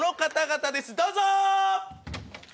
どうぞ！